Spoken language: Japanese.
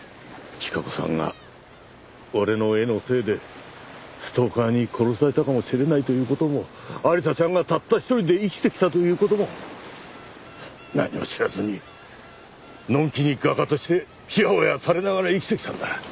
千加子さんが俺の絵のせいでストーカーに殺されたかもしれないという事も亜理紗ちゃんがたった１人で生きてきたという事も何も知らずにのんきに画家としてちやほやされながら生きてきたんだ。